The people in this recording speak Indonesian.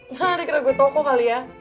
nggak ada keraguan toko kali ya